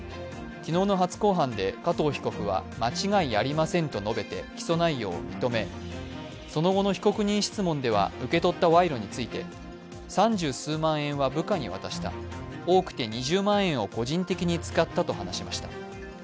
昨日の初公判で加藤被告は間違いありませんと起訴内容を認め、その後の被告人質問では受け取った賄賂について、三十数万円は部下に渡した、多くて２０万円を個人的に使ったと話しました。